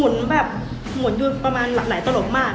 แล้วก็หมุนอยู่ประมาณไหนตลกมาก